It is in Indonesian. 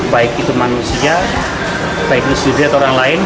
baik itu manusia baik itu studi atau orang lain